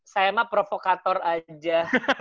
saya mah provokator aja